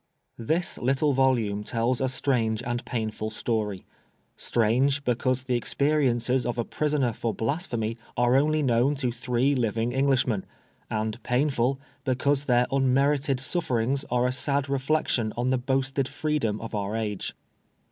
This little volume tells a strange and painful story ; strange, because the experiences of a prisoner for blasphemy are only known to three living English men ; and painfuly because their unmerited sufferings are a sad reflection on the boasted freedom of our age.